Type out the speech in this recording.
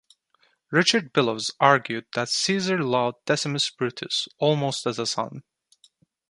Richard Billows argued that Caesar loved Decimus Brutus almost as a son.